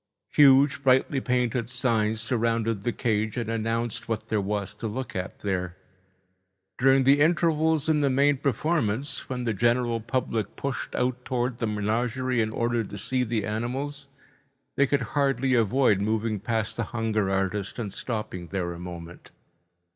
Huge brightly painted signs surrounded the cage and announced what there was to look at there. During the intervals in the main performance, when the general public pushed out towards the menagerie in order to see the animals, they could hardly avoid moving past the hunger artist and stopping there a moment.